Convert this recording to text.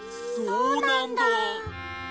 そうなんだ。